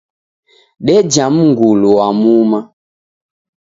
Deja mngulu wa muma.